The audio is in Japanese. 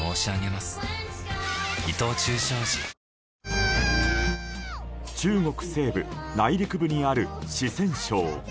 ニトリ中国西部内陸部にある四川省。